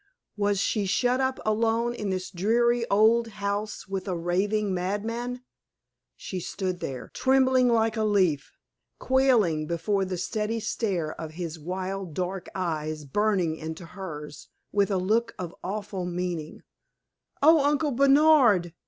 Was she shut up alone in this dreary old house with a raving madman? She stood there, trembling like a leaf, quailing before the steady stare of his wild, dark eyes burning into hers with a look of awful meaning. "Oh, Uncle Bernard!"